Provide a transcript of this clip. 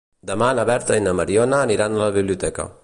Demà na Berta i na Mariona aniran a la biblioteca.